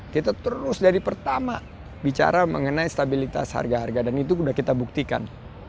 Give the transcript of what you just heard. kita terus dari pertama bicara mengenai stabilitas harga harga dan itu sudah kita buktikan